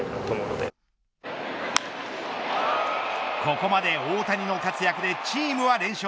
ここまで大谷の活躍でチームは連勝。